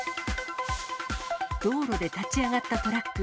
道路で立ち上がったトラック。